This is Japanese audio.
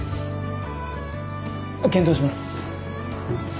検討します